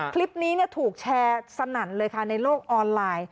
คลิปนี้ถูกแชร์สนั่นเลยค่ะในโลกออนไลน์